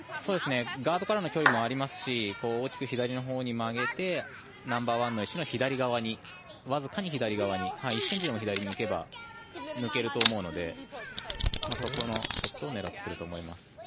ガードからの距離もありますし大きく左のほうに曲げてナンバーワンの石のわずかに左側に１ｃｍでも左に行けば抜けると思うのでそこのショットを狙ってくると思います。